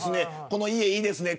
この家、いいですね。